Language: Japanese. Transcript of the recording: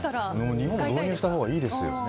日本、導入したほうがいいですよ。